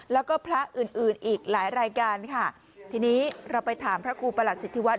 แล้วก็พระอื่นอื่นอีกหลายรายการค่ะทีนี้เราไปถามพระครูประหลัสสิทธิวัฒ